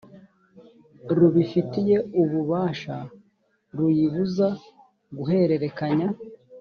rubifitiye ububasha ruyibuza guhererekanya